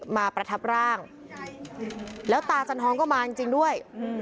ประทับร่างแล้วตาจันทองก็มาจริงด้วย